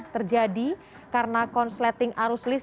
terima kasih